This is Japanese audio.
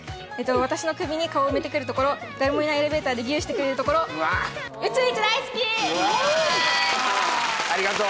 私の首に顔を埋めてくるところ誰もいないエレベーターでぎゅーしてくれるところありがとう